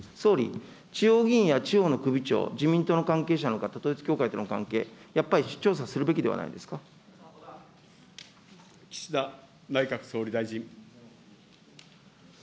総理、地方議員や地方の首長、自民党の関係者の方、統一教会との関係、やっぱり調査するべきでは岸田内閣総理大臣。